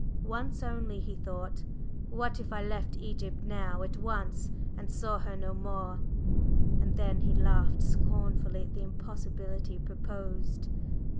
Once only, he thought, "What if I left Egypt now at once and saw her no more?" And then he laughed scornfully at the impossibility proposed.